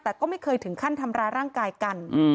แต่ก็ไม่เคยถึงขั้นทำร้ายร่างกายกัน